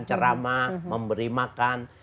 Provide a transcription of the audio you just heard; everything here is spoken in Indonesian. cerama memberi makan